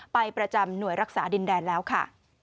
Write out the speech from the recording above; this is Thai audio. ประจำหน่วยรักษาดินแดนแล้วค่ะ